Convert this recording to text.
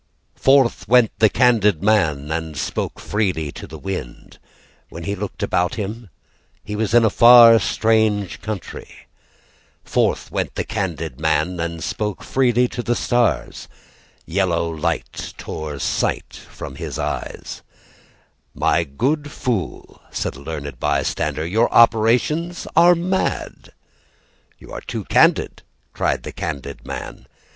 Forth went the candid man And spoke freely to the wind When he looked about him he was in a far strange country. Forth went the candid man And spoke freely to the stars Yellow light tore sight from his eye. "My good fool," said a learned bystander, "Your operations are mad." "You are too candid," cried the candid man.